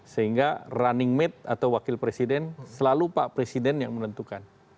sehingga running meet atau wakil presiden selalu pak presiden yang menentukan